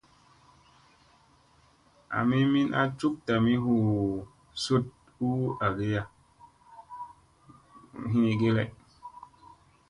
Ami min a cuk tami huu sund u agiya.